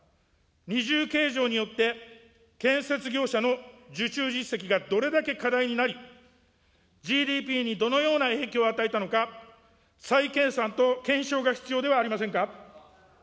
二重計上によって、建設業者の受注実績がどれだけ過大になり、ＧＤＰにどのような影響を与えたのか、再計算と検証が必要ではありませんか。